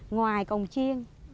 ngoài cồng chiêng